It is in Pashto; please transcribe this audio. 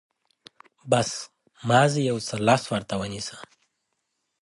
بس، مازې يو څه لاس ورته نيسه.